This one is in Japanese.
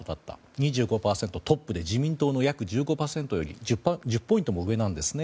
２５％、トップで自民党の約１５％より１０ポイントも上なんですね。